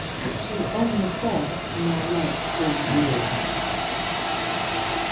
"SHE ONLY SAID, 'MY LIFE IS WEARY!'"